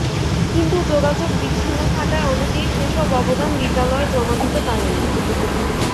কিন্তু যোগাযোগ বিচ্ছিন্ন থাকায় অনেকেই সেসব আবেদন বিদ্যালয়ে জমা দিতে পারেননি।